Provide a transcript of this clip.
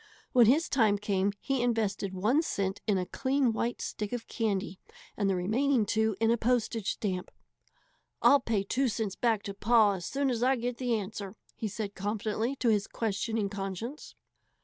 When his time came he invested one cent in a clean white stick of candy and the remaining two in a postage stamp. "I'll pay two cents back to pa as soon as I get the answer," he said confidently to his questioning conscience.